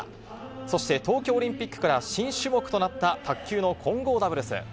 そして東京オリンピックから新種目となった卓球の混合ダブルス。